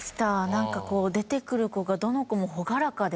なんかこう出てくる子がどの子も朗らかで。